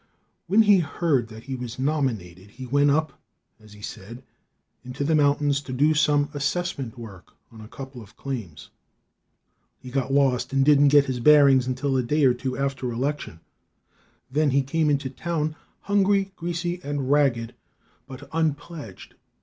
When he heard that he was nominated, he went up, as he said, into the mountains to do some assessment work on a couple of claims. He got lost and didn't get his bearings until a day or two after election. Then he came into town hungry, greasy and ragged, but unpledged.